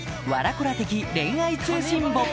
コラ的恋愛通信簿」